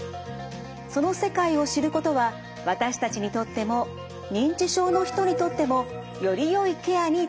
その世界を知ることは私たちにとっても認知症の人にとってもよりよいケアにつながるといいます。